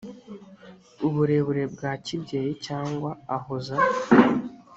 uburere bwa kibyeyi cyangwa ahoza